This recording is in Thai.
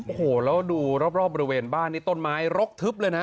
โอ้โหแล้วดูรอบบริเวณบ้านนี่ต้นไม้รกทึบเลยนะ